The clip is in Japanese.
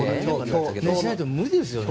そうしないと無理ですよね。